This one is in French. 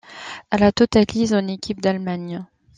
Elle a totalise en équipe d'Allemagne.